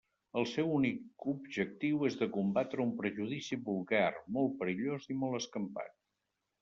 El seu únic objectiu és de combatre un prejudici vulgar, molt perillós i molt escampat.